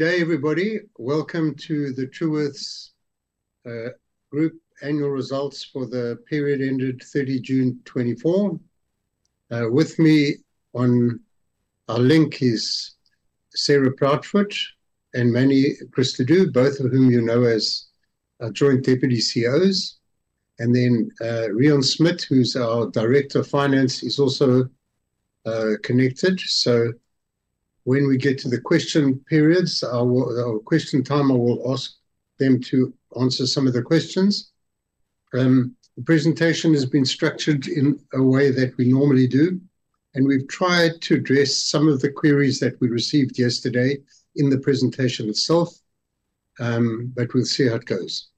Good day, everybody. Welcome to the Truworths Group annual results for the period ended 30 June 2024. With me on our link is Sarah Proudfoot and Mannie Cristaudo, both of whom you know as our Joint Deputy CEOs. And then, Reon Smit, who's our Director of Finance, is also connected. So when we get to the question time, I will ask them to answer some of the questions. The presentation has been structured in a way that we normally do, and we've tried to address some of the queries that we received yesterday in the presentation itself, but we'll see how it goes.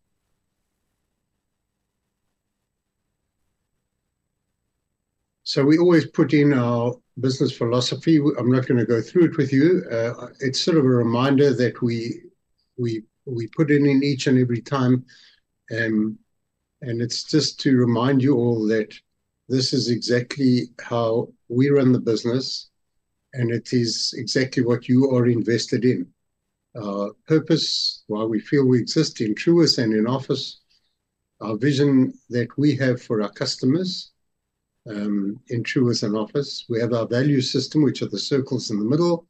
So we always put in our business philosophy. I'm not gonna go through it with you. It's sort of a reminder that we put it in each and every time, and it's just to remind you all that this is exactly how we run the business, and it is exactly what you are invested in. Our purpose, why we feel we exist in Truworths and in Office, our vision that we have for our customers, in Truworths and Office. We have our value system, which are the circles in the middle,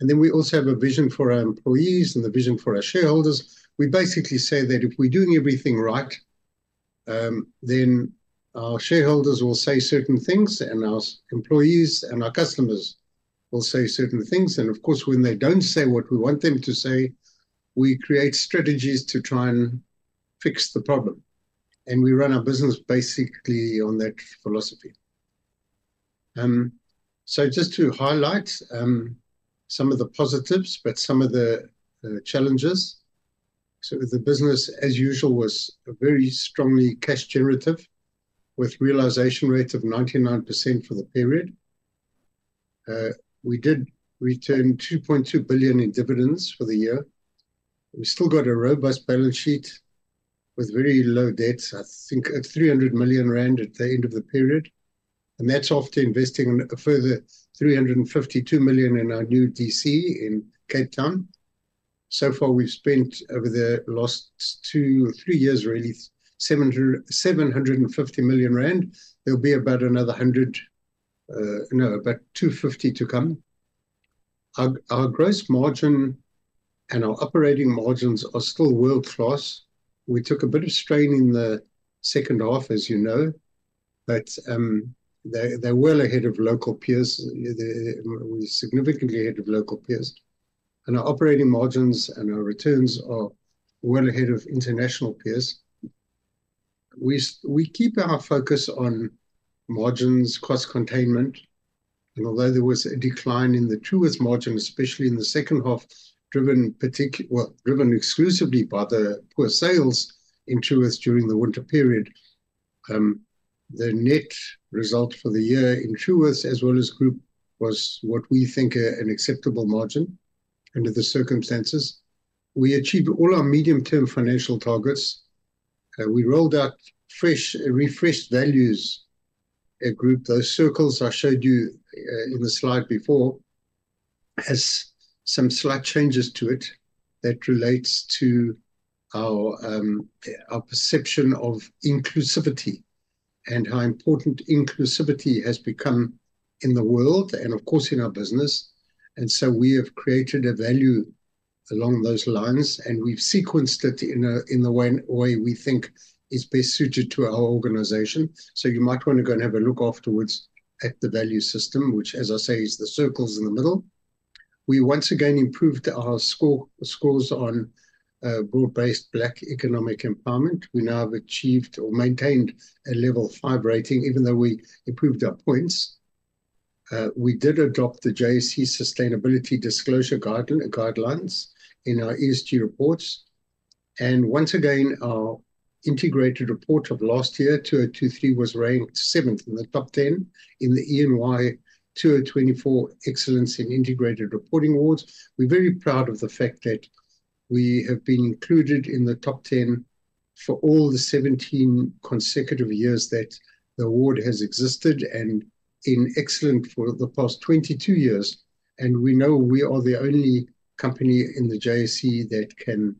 and then we also have a vision for our employees and a vision for our shareholders. We basically say that if we're doing everything right, then our shareholders will say certain things, and our employees and our customers will say certain things. Of course, when they don't say what we want them to say, we create strategies to try and fix the problem, and we run our business basically on that philosophy. Just to highlight some of the positives, but some of the challenges. The business, as usual, was very strongly cash generative, with realization rates of 99% for the period. We did return 2.2 billion in dividends for the year. We've still got a robust balance sheet with very low debts, I think at 300 million rand at the end of the period, and that's after investing a further 352 million in our new DC in Cape Town. So far, we've spent over the last two or three years, really, 750 million rand. There'll be about another 100 million, no, about 250 million to come. Our gross margin and our operating margins are still world-class. We took a bit of strain in the second half, as you know, but, they, they're well ahead of local peers. We're significantly ahead of local peers, and our operating margins and our returns are well ahead of international peers. We keep our focus on margins, cost containment, and although there was a decline in the Truworths margin, especially in the second half, driven, well, driven exclusively by the poor sales in Truworths during the winter period, the net result for the year in Truworths, as well as group, was what we think an acceptable margin under the circumstances. We achieved all our medium-term financial targets. We rolled out fresh, refreshed values at Group. Those circles I showed you in the slide before has some slight changes to it that relates to our, our perception of inclusivity and how important inclusivity has become in the world and, of course, in our business. And so we have created a value along those lines, and we've sequenced it in the way we think is best suited to our organization. So you might wanna go and have a look afterwards at the value system, which, as I say, is the circles in the middle. We once again improved our scores on Broad-Based Black Economic Empowerment. We now have achieved or maintained a level five rating, even though we improved our points. We did adopt the JSE Sustainability Disclosure Guidance in our ESG reports. Once again, our integrated report of last year, 2023, was ranked seventh in the top 10 in the EY 2024 Excellence in Integrated Reporting Awards. We're very proud of the fact that we have been included in the top 10 for all the 17 consecutive years that the award has existed, and in excellent for the past 22 years, and we know we are the only company in the JSE that can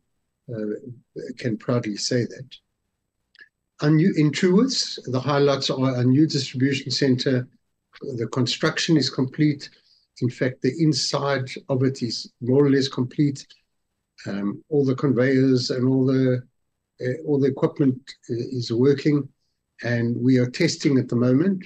proudly say that. In Truworths, the highlights are our new distribution center. The construction is complete. In fact, the inside of it is more or less complete. All the conveyors and all the equipment is working, and we are testing at the moment.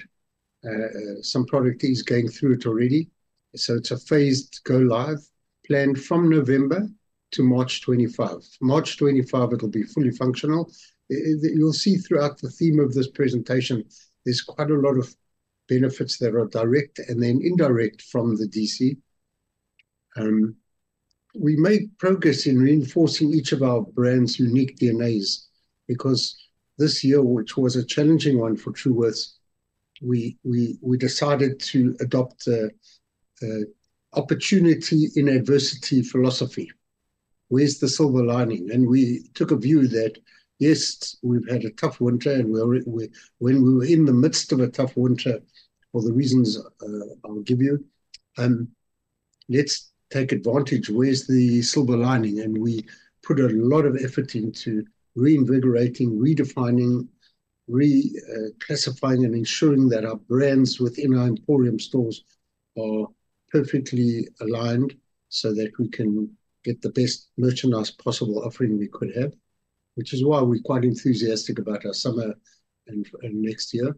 Some product is going through it already, so it's a phased go live plan from November to March 2025. March 2025, it'll be fully functional. You'll see throughout the theme of this presentation, there's quite a lot of benefits that are direct and then indirect from the DC. We made progress in reinforcing each of our brands' unique DNAs, because this year, which was a challenging one for Truworths, we decided to adopt an opportunity in adversity philosophy... where's the silver lining? We took a view that, yes, we've had a tough winter, and when we were in the midst of a tough winter, for the reasons I'll give you, let's take advantage. Where's the silver lining? We put a lot of effort into reinvigorating, redefining, classifying, and ensuring that our brands within our Emporium stores are perfectly aligned so that we can get the best merchandise possible offering we could have, which is why we're quite enthusiastic about our summer and next year.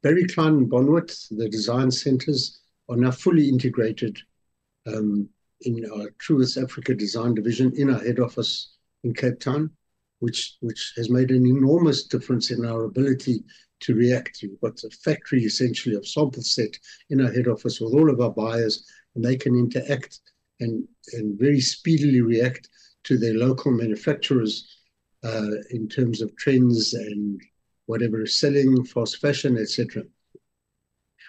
Barrie Cline and Bonwit, the design centers are now fully integrated in our Truworths Africa design division in our head office in Cape Town, which has made an enormous difference in our ability to react to what's a factory, essentially, of some sort in our head office with all of our buyers, and they can interact and very speedily react to their local manufacturers in terms of trends and whatever is selling, fast fashion, et cetera.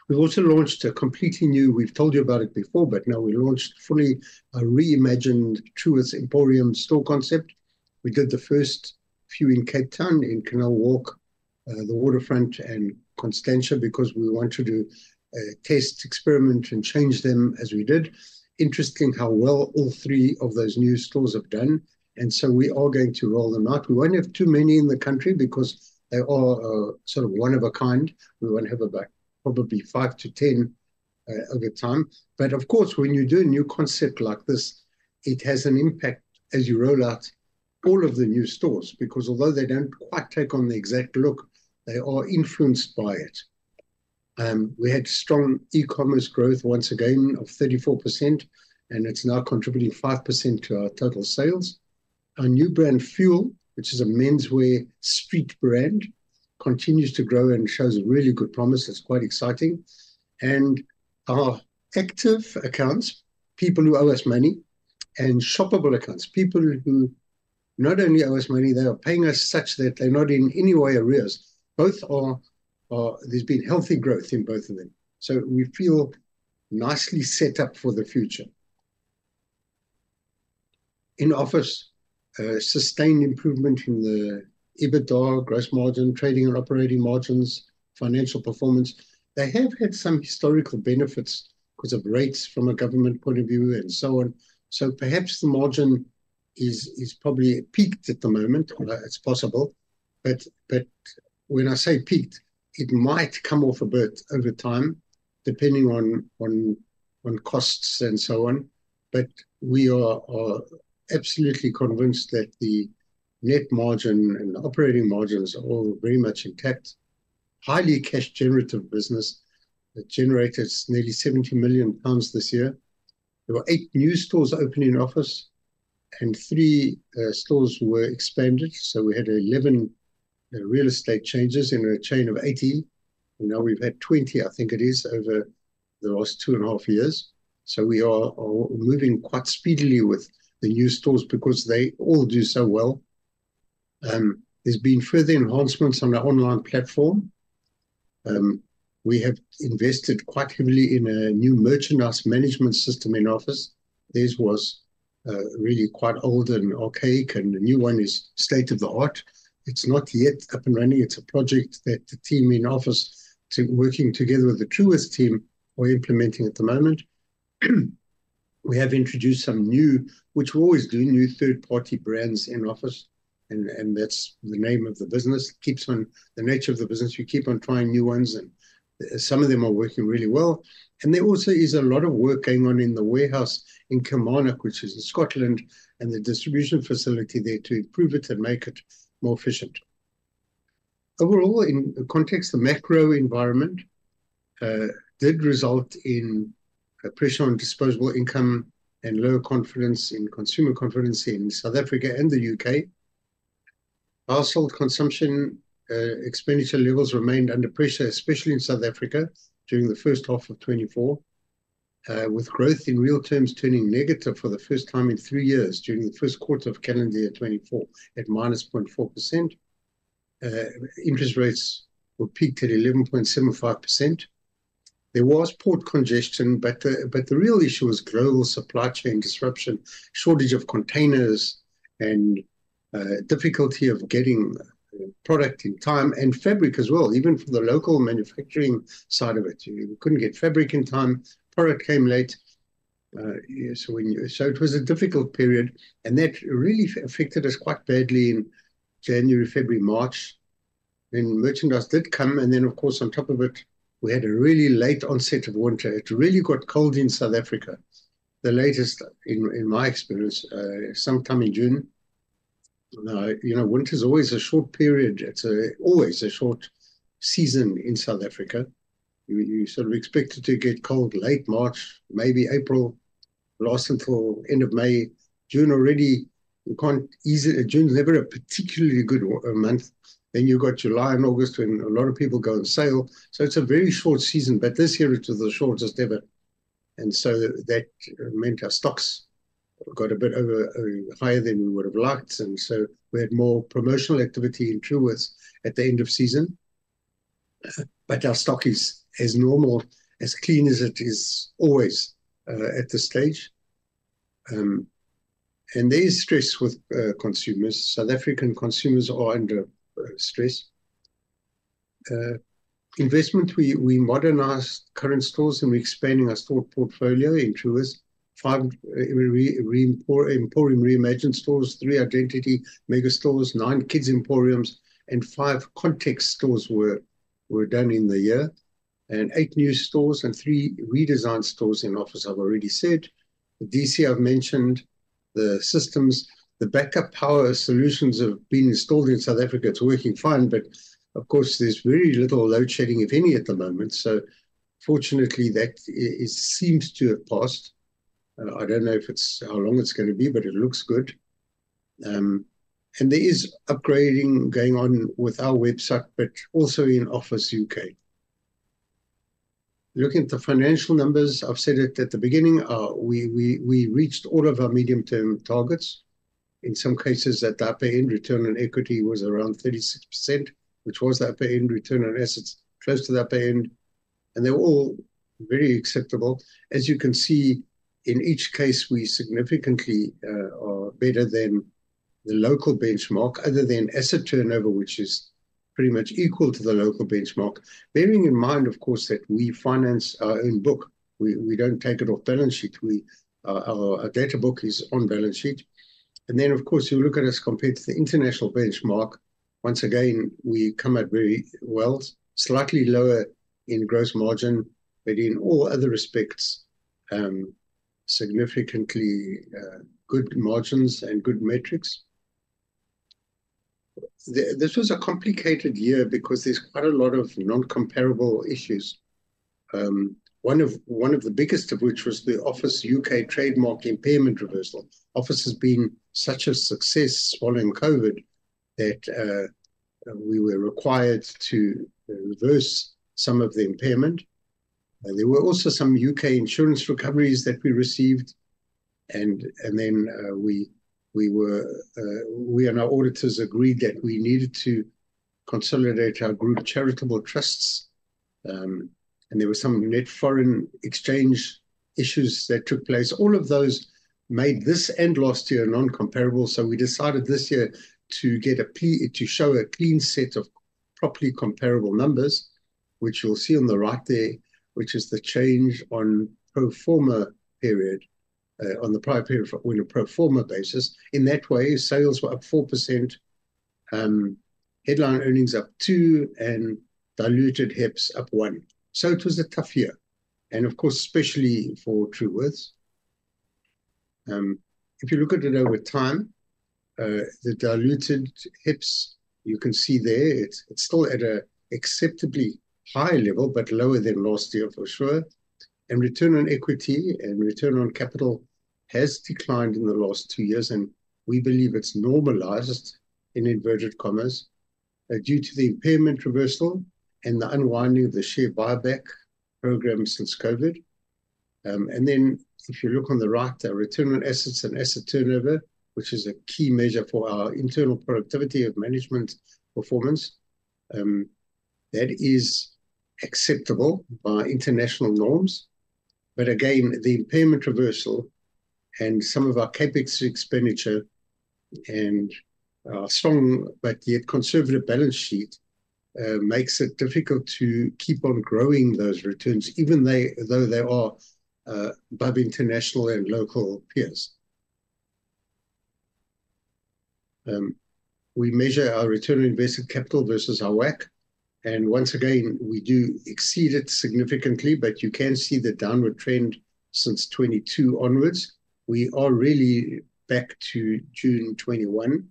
We've also launched a completely new... We've told you about it before, but now we launched fully a reimagined Truworths Emporium store concept. We did the first few in Cape Town, in Canal Walk, the Waterfront and Constantia, because we want to do, test, experiment, and change them as we did. Interesting how well all three of those new stores have done, and so we are going to roll them out. We won't have too many in the country because they are, sort of one of a kind. We won't have about probably five to 10, at a time. But of course, when you do a new concept like this, it has an impact as you roll out all of the new stores, because although they don't quite take on the exact look, they are influenced by it. We had strong e-commerce growth once again of 34%, and it's now contributing 5% to our total sales. Our new brand, Fuel, which is a menswear street brand, continues to grow and shows really good promise. It's quite exciting. Our active accounts, people who owe us money, and shoppable accounts, people who not only owe us money, they are paying us such that they're not in any way arrears. Both are. There's been healthy growth in both of them, so we feel nicely set up for the future. In Office, sustained improvement in the EBITDA gross margin, trading and operating margins, financial performance. They have had some historical benefits because of rates from a government point of view and so on. So perhaps the margin is probably peaked at the moment, or it's possible. But when I say peaked, it might come off a bit over time, depending on costs and so on. But we are absolutely convinced that the net margin and operating margins are all very much intact. Highly cash-generative business that generated nearly 70 million pounds this year. There were eight new stores opening in Office, and three stores were expanded. So we had 11 real estate changes in a chain of 18. Now we've had 20, I think it is, over the last two and a half years. So we are moving quite speedily with the new stores because they all do so well. There's been further enhancements on our online platform. We have invested quite heavily in a new merchandise management system in Office. This was really quite old and archaic, and the new one is state-of-the-art. It's not yet up and running. It's a project that the team in Office working together with the Truworths team are implementing at the moment. We have introduced some new, which we're always doing, new third-party brands in Office, and that's the name of the business. Keeps on, the nature of the business, we keep on trying new ones, and some of them are working really well. And there also is a lot of work going on in the warehouse in Kilmarnock, which is in Scotland, and the distribution facility there to improve it and make it more efficient. Overall, in context, the macro environment did result in a pressure on disposable income and lower consumer confidence in South Africa and the U.K. Household consumption expenditure levels remained under pressure, especially in South Africa during the first half of 2024, with growth in real terms turning negative for the first time in three years during the first quarter of calendar year 2024, at -0.4%. Interest rates peaked at 11.75%. There was port congestion, but the real issue was global supply chain disruption, shortage of containers, and difficulty of getting product in time, and fabric as well, even from the local manufacturing side of it. You couldn't get fabric in time. Product came late. So it was a difficult period, and that really affected us quite badly in January, February, March, when merchandise did come, and then, of course, on top of it, we had a really late onset of winter. It really got cold in South Africa. The latest in my experience, sometime in June. You know, winter's always a short period. It's always a short season in South Africa. You sort of expect it to get cold late March, maybe April, last until end of May. June already, you can't easily. June is never a particularly good month. Then you've got July and August, when a lot of people go on sale. So it's a very short season, but this year it was the shortest ever, and so that meant our stocks got a bit over, higher than we would have liked, and so we had more promotional activity in Truworths at the end of season, but our stock is as normal, as clean as it is always, at this stage. There is stress with consumers. South African consumers are under stress. Investment, we modernized current stores and we're expanding our store portfolio in Truworths. Five Emporium reimagined stores, three Identity mega stores, nine Kids Emporiums, and five Context stores were done in the year, and eight new stores and three redesigned stores in Office, I've already said. DC, I've mentioned the systems. The backup power solutions have been installed in South Africa. It's working fine, but of course, there's very little load shedding, if any, at the moment, so fortunately, it seems to have passed. I don't know if it's how long it's gonna be, but it looks good, and there is upgrading going on with our website, but also in Office U.K. Looking at the financial numbers, I've said it at the beginning, we reached all of our medium-term targets. In some cases, at the upper end, return on equity was around 36%, which was the upper end return on assets, close to the upper end, and they were all very acceptable. As you can see, in each case, we significantly are better than the local benchmark, other than asset turnover, which is pretty much equal to the local benchmark. Bearing in mind, of course, that we finance our own book. We, we don't take it off balance sheet. We, our debt book is on balance sheet. And then, of course, you look at us compared to the international benchmark, once again, we come out very well, slightly lower in gross margin, but in all other respects, significantly good margins and good metrics. This was a complicated year because there's quite a lot of non-comparable issues. One of the biggest of which was the Office U.K. trademark impairment reversal. Office has been such a success following COVID that we were required to reverse some of the impairment. There were also some U.K. insurance recoveries that we received, and then we and our auditors agreed that we needed to consolidate our group charitable trusts. And there were some net foreign exchange issues that took place. All of those made this and last year non-comparable, so we decided this year to show a clean set of properly comparable numbers, which you'll see on the right there, which is the change on pro forma period on the prior period on a pro forma basis. In that way, sales were up 4%, headline earnings up 2%, and diluted EPS up 1%. So it was a tough year, and of course, especially for Truworths. If you look at it over time, the diluted EPS, you can see there, it's still at an acceptably high level, but lower than last year for sure, and return on equity and return on capital has declined in the last two years, and we believe it's normalized, in inverted commas, due to the impairment reversal and the unwinding of the share buyback program since COVID. And then if you look on the right, the return on assets and asset turnover, which is a key measure for our internal productivity of management performance, that is acceptable by international norms. But again, the impairment reversal and some of our CapEx expenditure and our strong but yet conservative balance sheet makes it difficult to keep on growing those returns, even though they are above international and local peers. We measure our return on invested capital versus our WACC, and once again, we do exceed it significantly, but you can see the downward trend since 2022 onwards. We are really back to June 2021,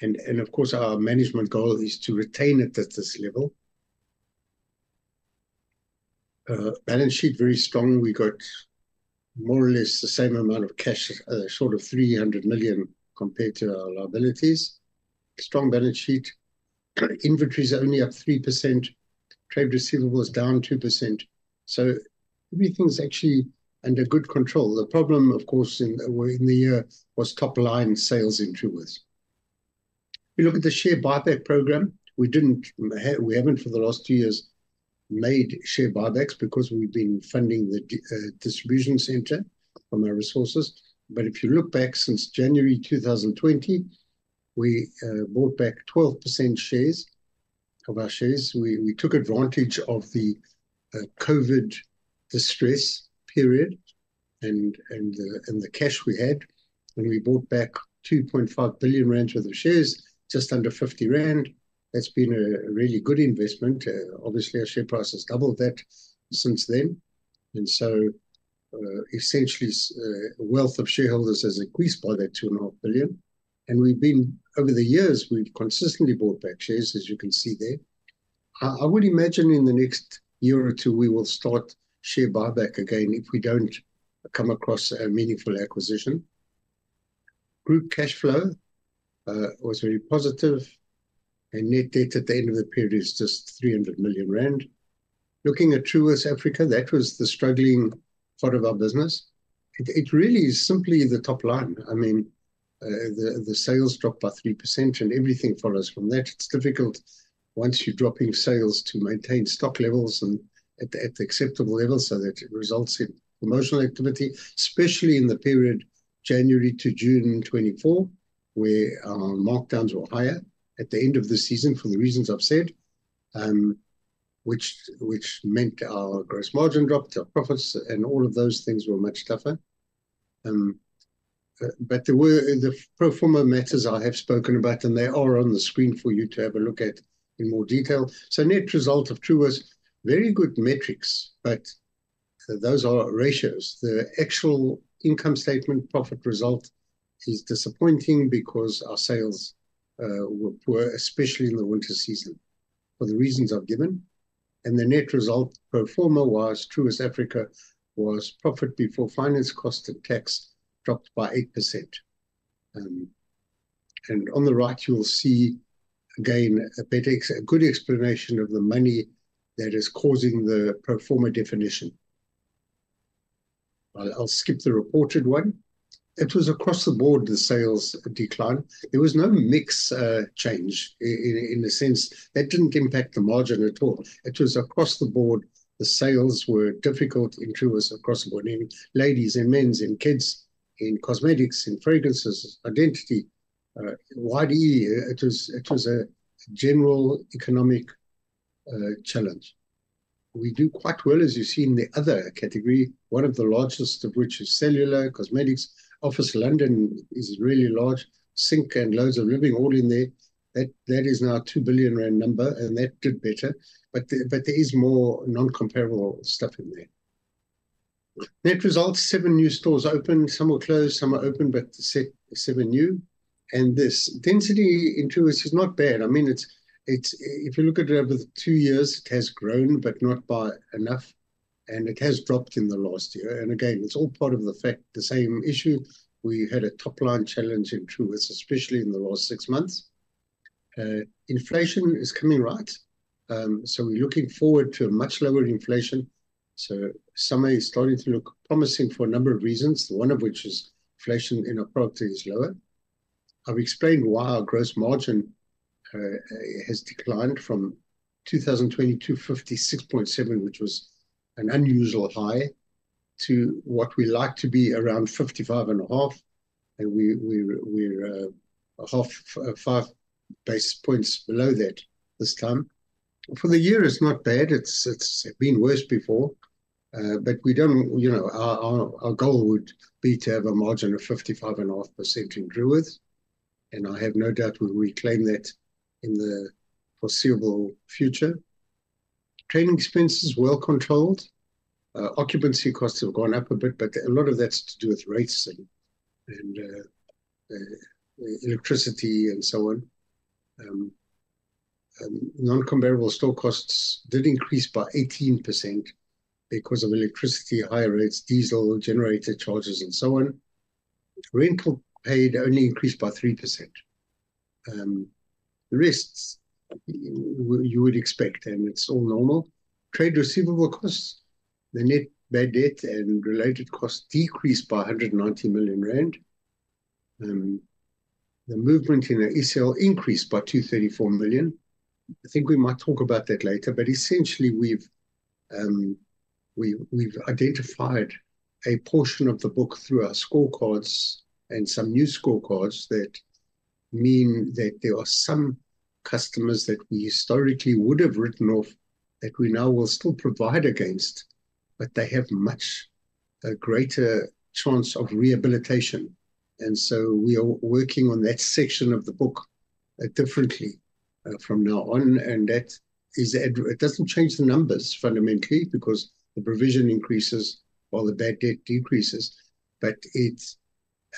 and of course, our management goal is to retain it at this level. Balance sheet, very strong. We got more or less the same amount of cash, sort of 300 million compared to our liabilities. Strong balance sheet. Inventories are only up 3%. Trade receivables down 2%. So everything's actually under good control. The problem, of course, in the year was top-line sales in Truworths. We look at the share buyback program. We didn't, we haven't for the last two years made share buybacks because we've been funding the distribution center from our resources. But if you look back since January 2020, we bought back 12% of our shares. We took advantage of the COVID distress period and the cash we had, and we bought back 2.5 billion rand worth of shares, just under 50 rand. That's been a really good investment. Obviously, our share price has doubled that since then, and so, essentially, wealth of shareholders has increased by that 2.5 billion. And we've been... Over the years, we've consistently bought back shares, as you can see there. I would imagine in the next year or two, we will start share buyback again if we don't come across a meaningful acquisition. Group cash flow was very positive, and net debt at the end of the period is just 300 million rand. Looking at Truworths Africa, that was the struggling part of our business. It really is simply the top line. I mean, the sales dropped by 3%, and everything follows from that. It's difficult once you're dropping sales to maintain stock levels and at acceptable levels so that it results in promotional activity, especially in the period January to June 2024, where markdowns were higher at the end of the season, for the reasons I've said, which meant our gross margin dropped, our profits and all of those things were much tougher. But there were the pro forma matters I have spoken about, and they are on the screen for you to have a look at in more detail. So net result of Truworths, very good metrics, but those are ratios. The actual income statement, profit result is disappointing because our sales were poor, especially in the winter season, for the reasons I've given. And the net result, pro forma-wise, Truworths Africa was profit before finance cost and tax dropped by 8%. And on the right you will see, again, a better explanation of the movement that is causing the pro forma definition. I'll skip the reported one. It was across the board, the sales decline. There was no mix change. In a sense, that didn't impact the margin at all. It was across the board. The sales were difficult in Truworths across the board, in ladies and men's and kids, in cosmetics, in fragrances, Identity, widely. It was a general economic challenge. We do quite well, as you see in the other category, one of the largest of which is cellular, cosmetics. Office London is really large, Sync and Loads of Living all in there. That is now a 2 billion rand number, and that did better, but there is more non-comparable stuff in there. Net results, seven new stores opened. Some were closed, some are open, but seven new, and this density in Truworths is not bad. I mean, it's. If you look at it over the two years, it has grown, but not by enough, and it has dropped in the last year, and again, it's all part of the fact, the same issue. We had a top line challenge in Truworths, especially in the last six months. Inflation is coming right, so we're looking forward to a much lower inflation. So summer is starting to look promising for a number of reasons, one of which is inflation in our product is lower. I've explained why our gross margin has declined from 2022, 56.7, which was an unusual high, to what we like to be around 55.5, and we're 5 basis points below that this time. For the year, it's not bad. It's been worse before, but we don't... You know, our goal would be to have a margin of 55.5% in Truworths, and I have no doubt we'll reclaim that in the foreseeable future. Trading expenses, well controlled. Occupancy costs have gone up a bit, but a lot of that's to do with rates and electricity and so on. Non-comparable store costs did increase by 18% because of electricity, higher rates, diesel, generator charges, and so on. Rental paid only increased by 3%. The risks, what you would expect, and it's all normal. Trade receivable costs, the net, bad debt and related costs decreased by 190 million rand. The movement in the ECL increased by 234 million. I think we might talk about that later, but essentially we've identified a portion of the book through our scorecards and some new scorecards that mean that there are some customers that we historically would have written off, that we now will still provide against, but they have much a greater chance of rehabilitation. We are working on that section of the book differently from now on, and that is. It doesn't change the numbers fundamentally because the provision increases while the bad debt decreases, but it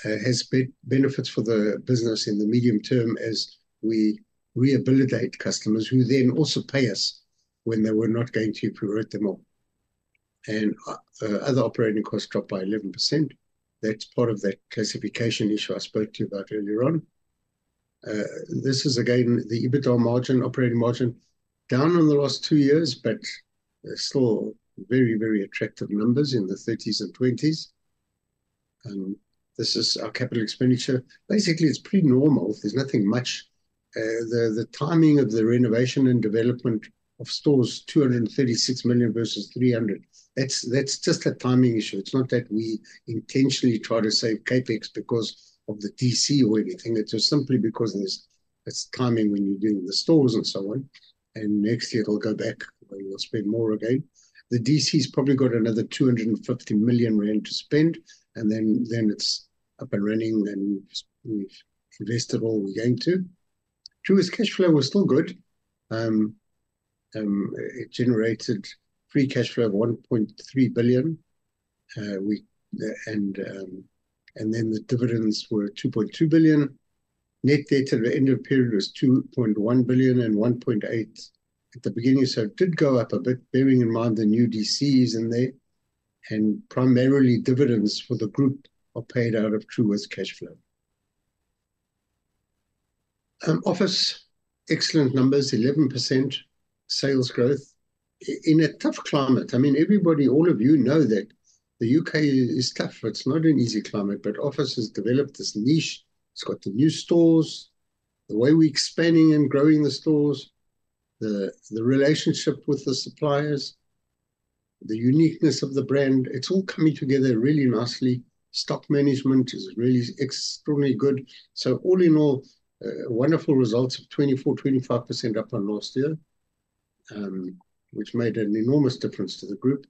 has benefits for the business in the medium-term as we rehabilitate customers who then also pay us when they were not going to if we wrote them off. Other operating costs dropped by 11%. That's part of that classification issue I spoke to you about earlier on. This is, again, the EBITDA margin, operating margin, down in the last two years, but still very, very attractive numbers in the 30s and 20s. This is our capital expenditure. Basically, it's pretty normal. There's nothing much. The timing of the renovation and development of stores, 236 million versus 300 million, that's just a timing issue. It's not that we intentionally try to save CapEx because of the DC or anything. It's just simply because it's timing when you're doing the stores and so on, and next year it'll go back, where we'll spend more again. The DC's probably got another 250 million rand to spend, and then it's up and running, and we've invested all we're going to. Truworths cash flow was still good. It generated free cash flow of 1.3 billion, and then the dividends were 2.2 billion. Net debt at the end of period was 2.1 billion and 1.8 billion at the beginning, so it did go up a bit, bearing in mind the new DCs in there, and primarily dividends for the group are paid out of Truworths cash flow. Office, excellent numbers, 11% sales growth. In a tough climate, I mean, everybody, all of you know that the U.K. is tough. It's not an easy climate, but Office has developed this niche. It's got the new stores, the way we're expanding and growing the stores, the relationship with the suppliers, the uniqueness of the brand, it's all coming together really nicely. Stock management is really extremely good. So all in all, wonderful results of 24%-25% up on last year, which made an enormous difference to the group,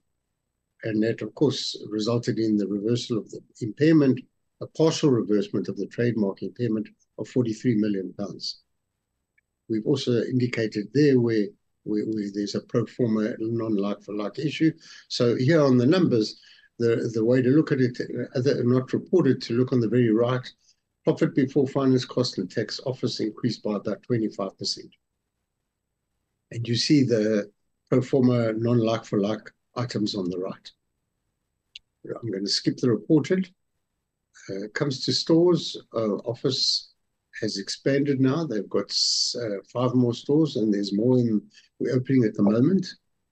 and that, of course, resulted in the reversal of the impairment, a partial reversal of the trademark impairment of 43 million pounds. We've also indicated there where there's a pro forma non-like-for-like issue. So here on the numbers, the way to look at it, not reported, to look on the very right, profit before finance costs and tax Office increased by about 25%. And you see the pro forma non-like-for-like items on the right. I'm gonna skip the reported. It comes to stores, Office has expanded now. They've got five more stores, and there's more in we're opening at the moment.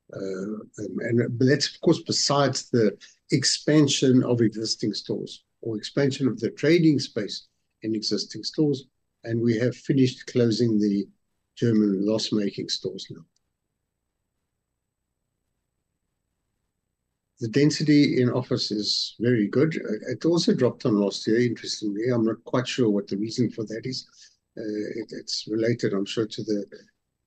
But that's of course besides the expansion of existing stores or expansion of the trading space in existing stores, and we have finished closing the German loss-making stores now. The density in Office is very good. It also dropped on last year, interestingly. I'm not quite sure what the reason for that is. It's related, I'm sure, to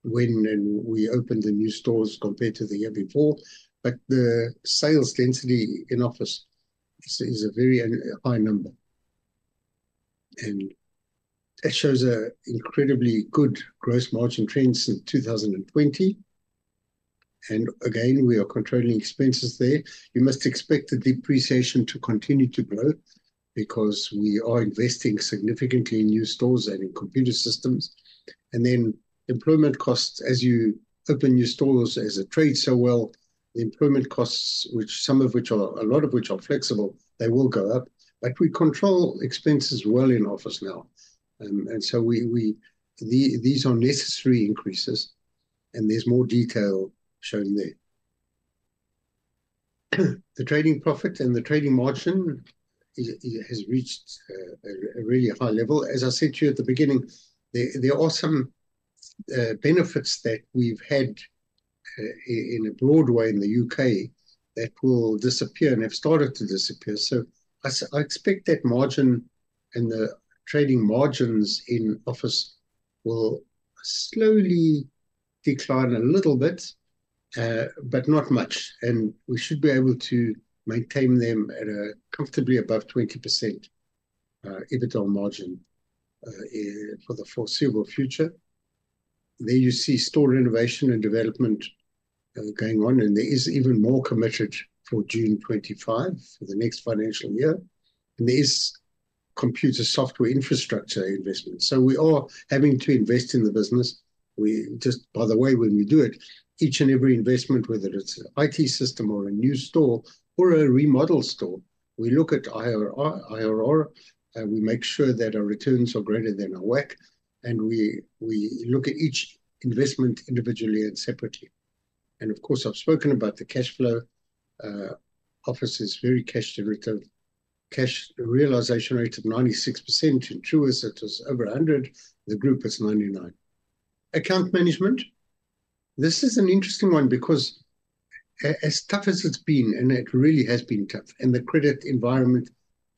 when we opened the new stores compared to the year before, but the sales density in Office is a very high number. It shows an incredibly good gross margin trends since 2020. And again, we are controlling expenses there. You must expect the depreciation to continue to grow because we are investing significantly in new stores and in computer systems. Employment costs, as you open new stores, as they trade so well, the employment costs, which some of which are a lot of which are flexible, they will go up. But we control expenses well in Office now, and so we, these are necessary increases, and there's more detail shown there. The trading profit and the trading margin, it has reached a really high level. As I said to you at the beginning, there are some benefits that we've had in a broad way in the U.K. that will disappear and have started to disappear. So I expect that margin and the trading margins in Office will slowly decline a little bit, but not much, and we should be able to maintain them at a comfortably above 20% EBITDA margin for the foreseeable future. There you see store innovation and development going on, and there is even more committed for June 2025, for the next financial year, and there's computer software infrastructure investment. So we are having to invest in the business. By the way, when we do it, each and every investment, whether it's an IT system or a new store or a remodel store, we look at IRR, IRR, and we make sure that our returns are greater than our WACC, and we look at each investment individually and separately. And of course, I've spoken about the cash flow. Office is very cash derivative, cash realization rate of 96%, in Truworths, it was over 100%; the group is 99%. Account management, this is an interesting one because as tough as it's been, and it really has been tough, and the credit environment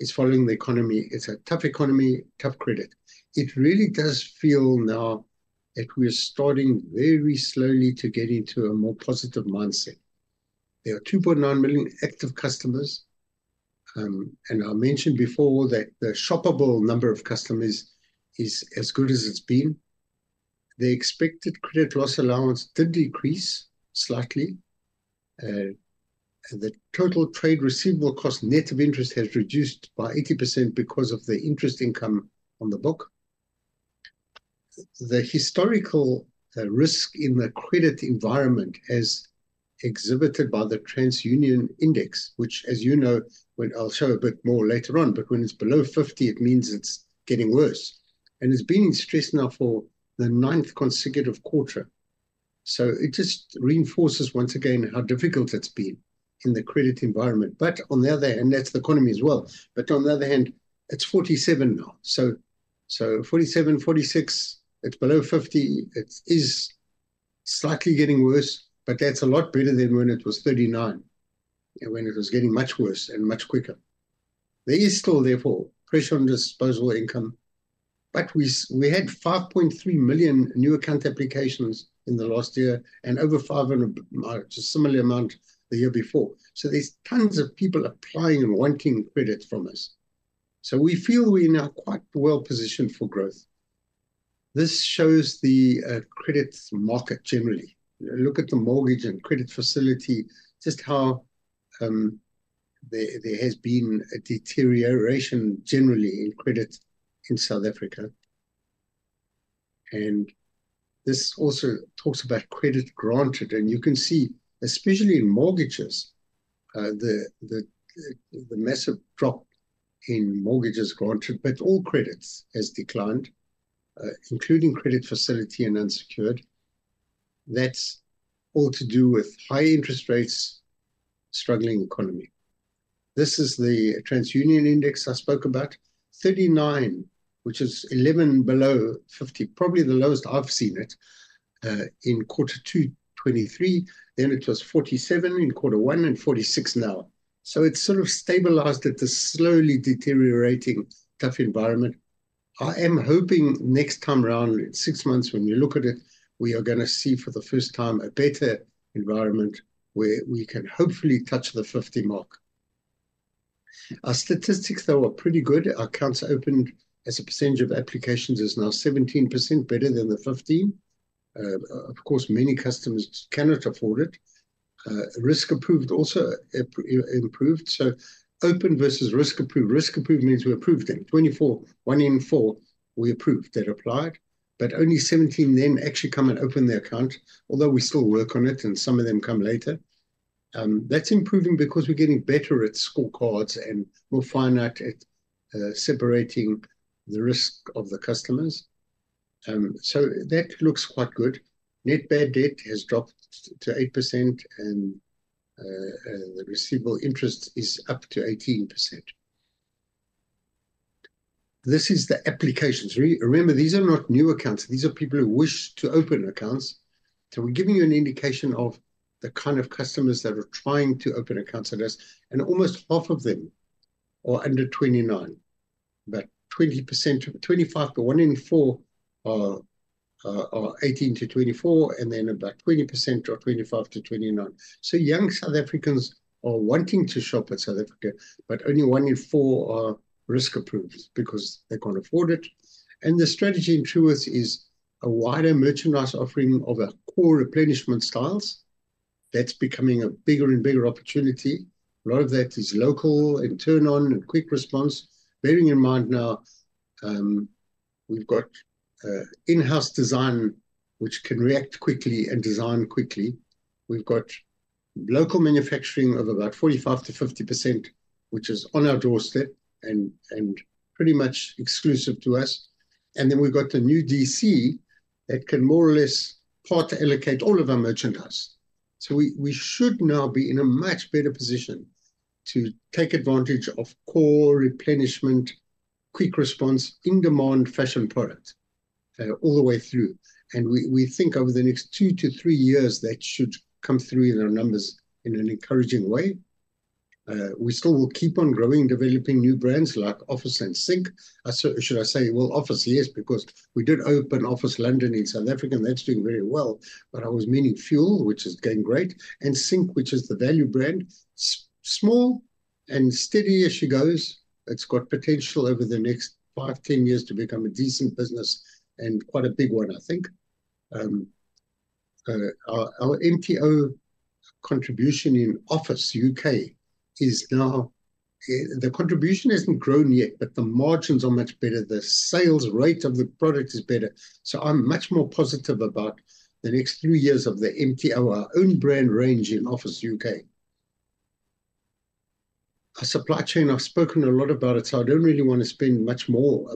is following the economy. It's a tough economy, tough credit. It really does feel now that we are starting very slowly to get into a more positive mindset. There are 2.9 million active customers, and I mentioned before that the shoppable number of customers is as good as it's been. The expected credit loss allowance did decrease slightly, and the total trade receivable cost, net of interest, has reduced by 80% because of the interest income on the book. The historical risk in the credit environment, as exhibited by the TransUnion index, which, as you know, I'll show a bit more later on, but when it's below 50, it means it's getting worse. It's been in stress now for the ninth consecutive quarter. It just reinforces once again how difficult it's been in the credit environment. On the other hand, that's the economy as well, but on the other hand, it's 47 now, so 47, 46. It's below 50. It is slightly getting worse, but that's a lot better than when it was 39 and when it was getting much worse and much quicker. There is still, therefore, pressure on disposable income, but we had 5.3 million new account applications in the last year and over 5 million and a similar amount the year before. So there's tons of people applying and wanting credit from us. So we feel we are now quite well-positioned for growth. This shows the credit market generally. Look at the mortgage and credit facility, just how there has been a deterioration generally in credit in South Africa. This also talks about credit granted, and you can see, especially in mortgages, the massive drop in mortgages granted, but all credits has declined, including credit facility and unsecured. That's all to do with high interest rates, struggling economy. This is the TransUnion index I spoke about. 39, which is 11 below 50, probably the lowest I've seen it in quarter two 2023. Then it was 47 in quarter one and 46 now. So it's sort of stabilized at this slowly deteriorating, tough environment. I am hoping next time round, in six months when you look at it, we are gonna see for the first time a better environment where we can hopefully touch the 50 mark. Our statistics, though, are pretty good. Our accounts opened as a percentage of applications is now 17%, better than the 15%. Of course, many customers cannot afford it. Risk approved also improved, so open versus risk approved. Risk approved means we approved them. 24, one in four, we approved that applied, but only 17 then actually come and open the account, although we still work on it and some of them come later. That's improving because we're getting better at scorecards, and we'll find out at separating the risk of the customers. So that looks quite good. Net bad debt has dropped to 8% and the receivable interest is up to 18%. This is the applications. Remember, these are not new accounts. These are people who wish to open accounts, so we're giving you an indication of the kind of customers that are trying to open accounts with us, and almost half of them are under 29. About 20%, 25%. One in four are 18-24, and then about 20% are 25-29. Young South Africans are wanting to shop at South Africa, but only one in four are risk approved because they can't afford it. The strategy in Truworths is a wider merchandise offering of core replenishment styles. That's becoming a bigger and bigger opportunity. A lot of that is local and turn on and quick response. Bearing in mind now, we've got in-house design, which can react quickly and design quickly. We've got local manufacturing of about 45%-50%, which is on our doorstep and pretty much exclusive to us. Then we've got the new DC that can more or less properly allocate all of our merchandise. We should now be in a much better position to take advantage of core replenishment, quick response, in-demand fashion product all the way through. We think over the next two to three years, that should come through in our numbers in an encouraging way. We still will keep on growing and developing new brands like Office and Sync. Should I say, well, Office, yes, because we did open Office London in South Africa, and that's doing very well. But I was meaning Fuel, which is going great, and Sync, which is the value brand. Small and steady as she goes. It's got potential over the next five, 10 years to become a decent business and quite a big one, I think. Our MTO contribution in Office U.K. is now... The contribution hasn't grown yet, but the margins are much better. The sales rate of the product is better. So I'm much more positive about the next three years of the MTO, our own brand range in Office U.K. Our supply chain, I've spoken a lot about it, so I don't really want to spend much more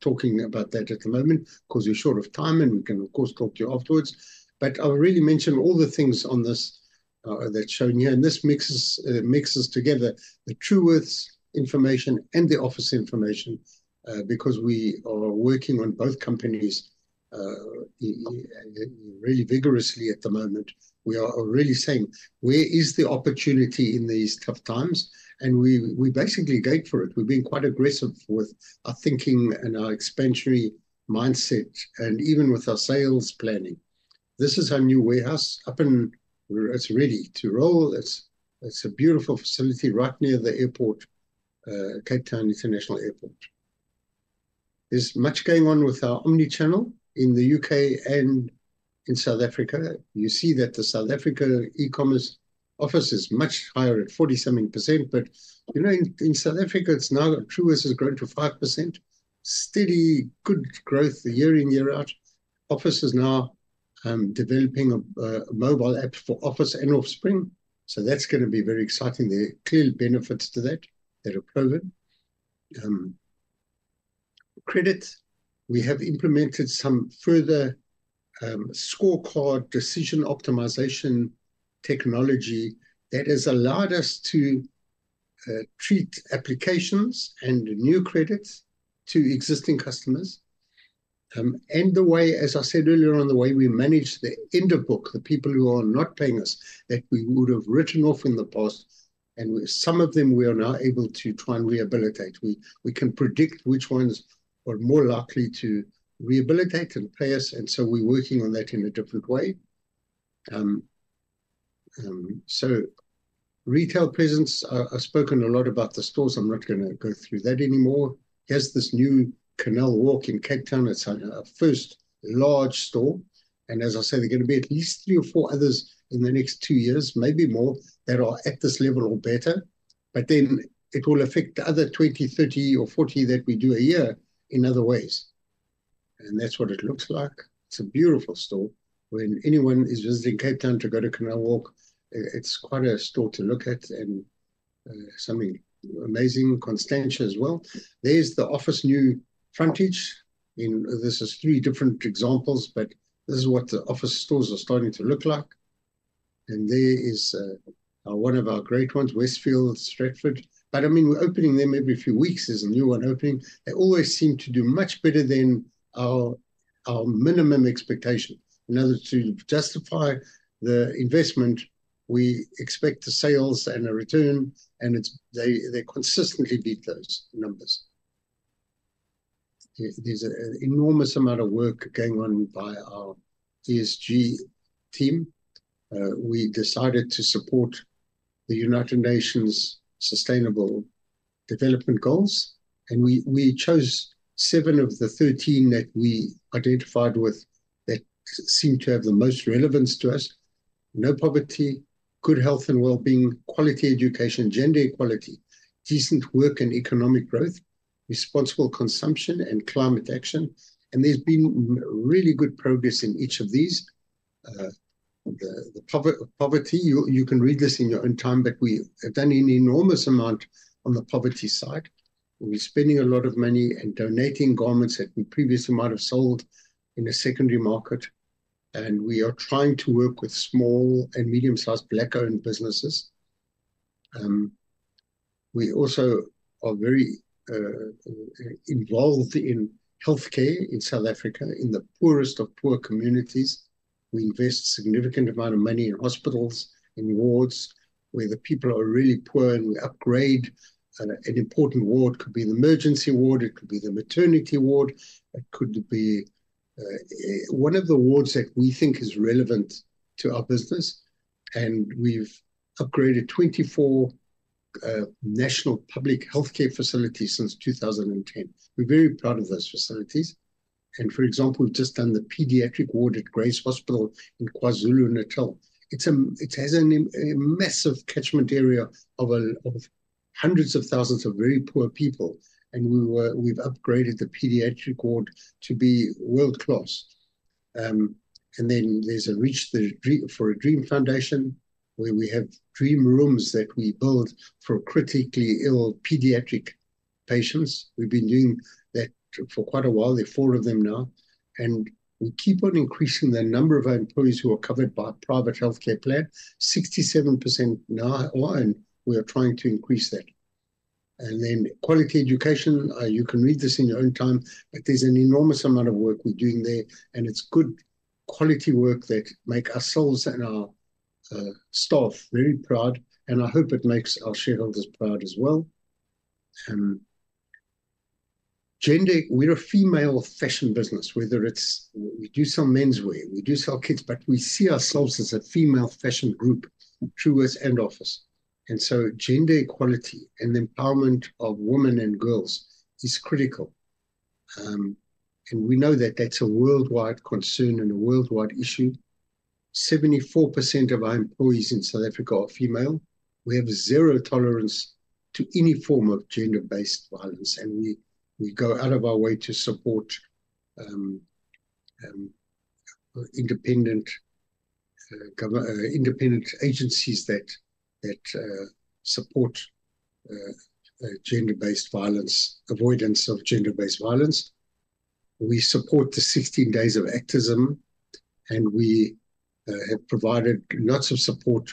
talking about that at the moment, 'cause we're short of time, and we can, of course, talk to you afterwards. I'll really mention all the things on this that's shown here, and this mixes together the Truworths information and the Office information, because we are working on both companies really vigorously at the moment. We are really saying, "Where is the opportunity in these tough times?" We basically go for it. We're being quite aggressive with our thinking and our expansionary mindset, and even with our sales planning. This is our new warehouse up and it's ready to roll. It's a beautiful facility right near the airport, Cape Town International Airport. There's much going on with our omni-channel in the U.K. and in South Africa. You see that the South Africa e-commerce Office is much higher at 40-something%, but you know, in South Africa, it's now Truworths has grown to 5%. Steady, good growth year in, year out. Office is now developing a mobile app for Office and Offspring, so that's gonna be very exciting. There are clear benefits to that that are proven. Credit, we have implemented some further scorecard decision optimization technology that has allowed us to treat applications and new credits to existing customers. And the way, as I said earlier on, the way we manage the in-book, the people who are not paying us that we would have written off in the past, and some of them we are now able to try and rehabilitate. We can predict which ones are more likely to rehabilitate and pay us, and so we're working on that in a different way. So retail presence, I've spoken a lot about the stores. I'm not gonna go through that anymore. Here's this new Canal Walk in Cape Town. It's our, our first large store, and as I said, there are gonna be at least three or four others in the next two years, maybe more, that are at this level or better... but then it will affect the other 20, 30, or 40 that we do a year in other ways, and that's what it looks like. It's a beautiful store. When anyone is visiting Cape Town to go to Canal Walk, it's quite a store to look at, and something amazing, Constantia as well. There's the Office new frontage, and this is three different examples, but this is what the Office stores are starting to look like, and there is one of our great ones, Westfield Stratford. I mean, we're opening them every few weeks. There's a new one opening. They always seem to do much better than our minimum expectation. In order to justify the investment, we expect the sales and the return, and it's they consistently beat those numbers. There's an enormous amount of work going on by our ESG team. We decided to support the United Nations Sustainable Development Goals, and we chose seven of the 13 that we identified with that seemed to have the most relevance to us: no poverty, good health and wellbeing, quality education, gender equality, decent work and economic growth, responsible consumption, and climate action. And there's been really good progress in each of these. The poverty, you can read this in your own time, but we have done an enormous amount on the poverty side. We're spending a lot of money and donating garments that we previously might have sold in the secondary market, and we are trying to work with small and medium-sized Black-owned businesses. We also are very involved in healthcare in South Africa, in the poorest of poor communities. We invest significant amount of money in hospitals, in wards where the people are really poor, and we upgrade. An important ward could be the emergency ward, it could be the maternity ward, it could be one of the wards that we think is relevant to our business, and we've upgraded 24 national public healthcare facilities since 2010. We're very proud of those facilities, and for example, we've just done the pediatric ward at Grey's Hospital in KwaZulu-Natal. It's a... It has a massive catchment area of hundreds of thousands of very poor people, and we've upgraded the pediatric ward to be world-class. And then there's a Reach For A Dream Foundation, where we have Dream Rooms that we build for critically ill pediatric patients. We've been doing that for quite a while. There are four of them now, and we keep on increasing the number of our employees who are covered by a private healthcare plan. 67% now, and we are trying to increase that. And then quality education, you can read this in your own time, but there's an enormous amount of work we're doing there, and it's good quality work that make ourselves and our staff very proud, and I hope it makes our shareholders proud as well. Gender... We're a female fashion business. We do sell menswear, we do sell kids, but we see ourselves as a female fashion group, Truworths and Office. And so gender equality and the empowerment of women and girls is critical. And we know that that's a worldwide concern and a worldwide issue. 74% of our employees in South Africa are female. We have zero tolerance to any form of gender-based violence, and we go out of our way to support independent agencies that support gender-based violence avoidance. We support the 16 Days of Activism, and we have provided lots of support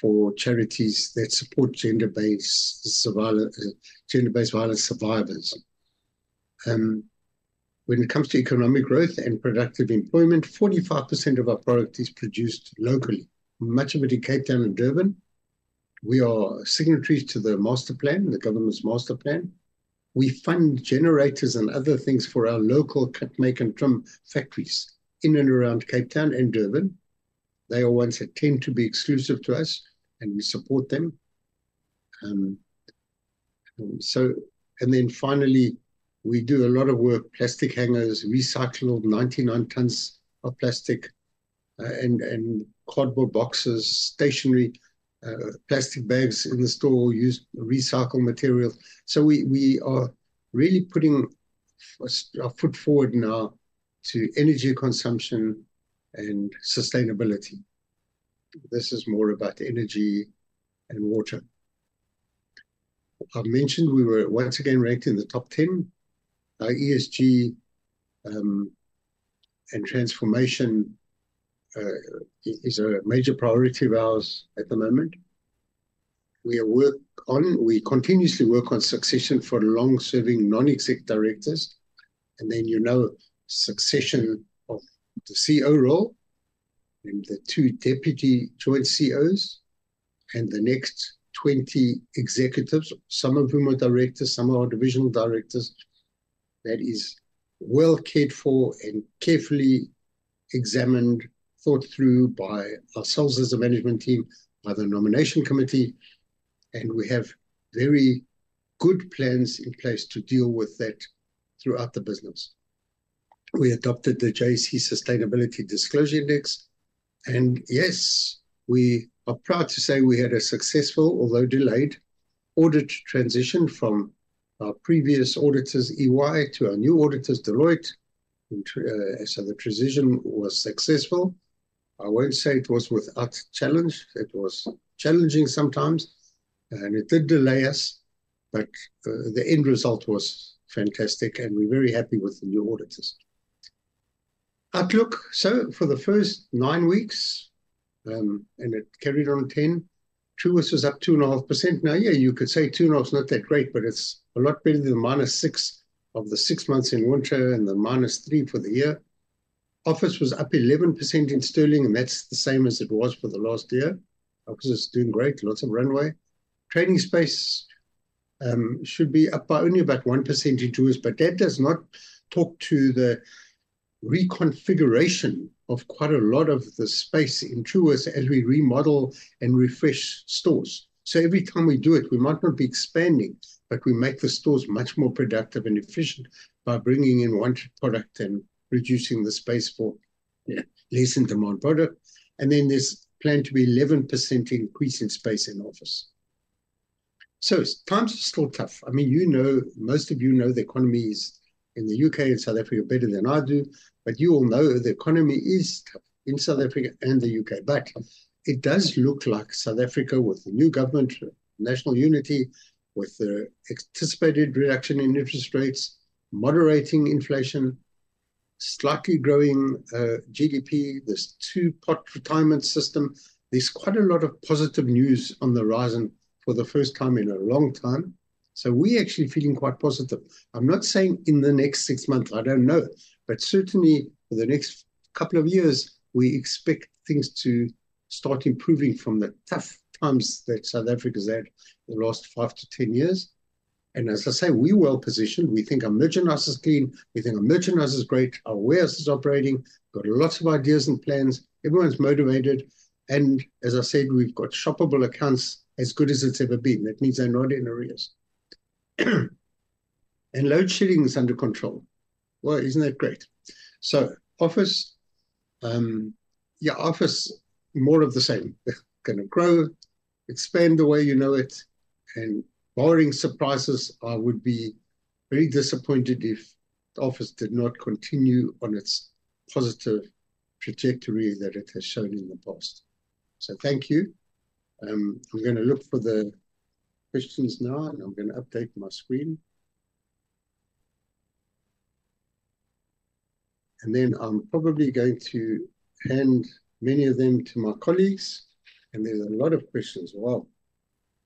for charities that support gender-based violence survivors. When it comes to economic growth and productive employment, 45% of our product is produced locally, much of it in Cape Town and Durban. We are signatories to the Master Plan, the government's Master Plan. We fund generators and other things for our local cut, make and trim factories in and around Cape Town and Durban. They are ones that tend to be exclusive to us, and we support them, and then finally, we do a lot of work, plastic hangers, recycled 99 tons of plastic, and cardboard boxes, stationery, plastic bags in the store, use recycled material. So we are really putting our foot forward now to energy consumption and sustainability. This is more about energy and water. I've mentioned we were once again ranked in the top 10. Our ESG and transformation is a major priority of ours at the moment. We continuously work on succession for long-serving non-exec Directors, and then, you know, succession of the CEO role and the two Deputy Joint CEOs and the next 20 executives, some of whom are Directors, some are divisional Directors. That is well-cared for and carefully examined, thought through by ourselves as a management team, by the nomination committee, and we have very good plans in place to deal with that throughout the business. We adopted the JSE Sustainability Disclosure Index. And yes, we are proud to say we had a successful, although delayed, audit transition from our previous auditors, EY, to our new auditors, Deloitte. Which, so the transition was successful. I won't say it was without challenge. It was challenging sometimes, and it did delay us, but, the end result was fantastic, and we're very happy with the new auditors. Outlook. So for the first nine weeks, and it carried on 10, Truworths was up 2.5%. Now, yeah, you could say 2.5%'s not that great, but it's a lot better than the -6% of the six months in winter and the -3% for the year. Office was up 11% in sterling, and that's the same as it was for the last year. Office is doing great, lots of runway. Trading space should be up by only about 1% in Truworths, but that does not talk to the reconfiguration of quite a lot of the space in Truworths as we remodel and refresh stores. So every time we do it, we might not be expanding, but we make the stores much more productive and efficient by bringing in wanted product and reducing the space for, yeah, less in-demand product. And then there's planned to be 11% increase in space in Office. So times are still tough. I mean, you know, most of you know the economies in the U.K. and South Africa better than I do, but you all know the economy is tough in South Africa and the U.K. But it does look like South Africa, with the new government, national unity, with the anticipated reduction in interest rates, moderating inflation, slightly growing, GDP, this Two-Pot Retirement System, there's quite a lot of positive news on the horizon for the first time in a long time. So we're actually feeling quite positive. I'm not saying in the next six months, I don't know, but certainly for the next couple of years, we expect things to start improving from the tough times that South Africa's had in the last five to 10 years. As I say, we're well-positioned. We think our merchandise is clean, we think our merchandise is great, our warehouse is operating, got lots of ideas and plans, everyone's motivated, and as I said, we've got shoppable accounts as good as it's ever been. That means they're not in arrears. Load shedding is under control. Isn't that great? Office, more of the same. Gonna grow, expand the way you know it, and barring surprises, I would be very disappointed if Office did not continue on its positive trajectory that it has shown in the past. Thank you. I'm gonna look for the questions now, and I'm gonna update my screen. Then I'm probably going to hand many of them to my colleagues, and there's a lot of questions. Wow!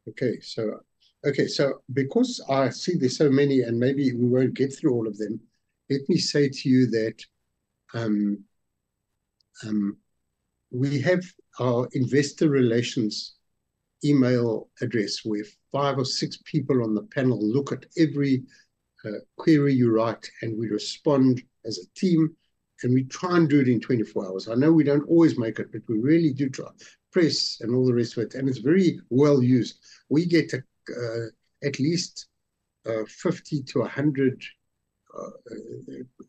Okay, so because I see there's so many, and maybe we won't get through all of them, let me say to you that we have our investor relations email address. We have five or six people on the panel look at every query you write, and we respond as a team, and we try and do it in 24 hours. I know we don't always make it, but we really do try. Press and all the rest of it, and it's very well used. We get at least 50-100